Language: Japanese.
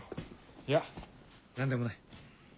いや何でもない。